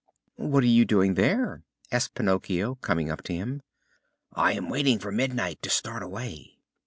"What are you doing there?" asked Pinocchio, coming up to him. "I am waiting for midnight, to start away."